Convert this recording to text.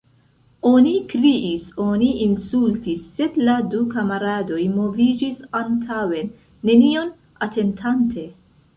Oni kriis, oni insultis, sed la du kamaradoj moviĝis antaŭen, nenion atentante.